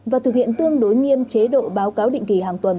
và thực hiện tương đối nghiêm chế độ báo cáo định kỳ